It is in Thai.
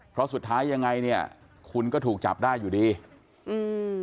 เพราะสุดท้ายยังไงเนี้ยคุณก็ถูกจับได้อยู่ดีอืม